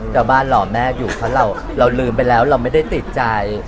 รอบ้านรอแม่อยู่เพราะเราลืมไปแล้วเราไม่ได้ติดใจ